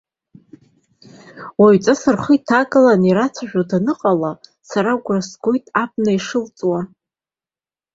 Уаҩҵас рхы иҭагаланы ирацәажәо даныҟала, сара агәра згоит абна ишылҵуа.